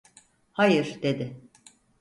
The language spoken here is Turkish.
Hayır, dedi.